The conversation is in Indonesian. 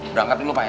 berangkat dulu pak ya